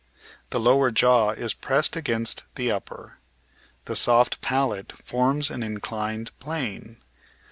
The lower jaw is pressed against the upper. The soft palate forms an inclined plane.